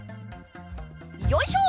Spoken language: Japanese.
よいしょ！